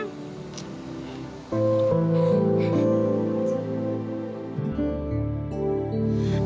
aku suka sama kamu